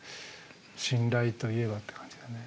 「信頼といえば」って感じでね。